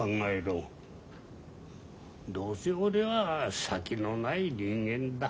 どうせ俺は先のない人間だ。